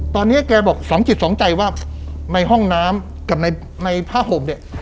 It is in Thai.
ตอนนี้แกบอกสองจิตสองใจว่าในห้องน้ำกับในผ้าห่มเนี่ย